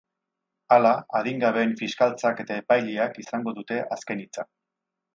Hala, adingabeen fiskaltzak eta epaileak izango dute azken hitza.